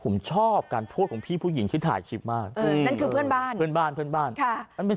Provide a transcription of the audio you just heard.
มันคิดว่ามันบอกแล้ว